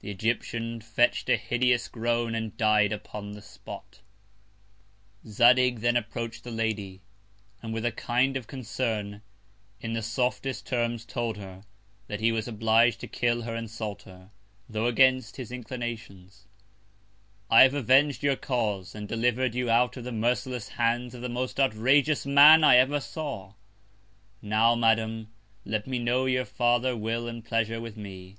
The Egyptian fetch'd a hideous Groan, and died upon the Spot. Zadig then approach'd the Lady, and with a kind of Concern, in the softest Terms told her, that he was oblig'd to kill her Insulter, tho' against his Inclinations. I have aveng'd your Cause, and deliver'd you out of the merciless Hands of the most outrageous Man I ever saw. Now, Madam, let me know your farther Will and Pleasure with me.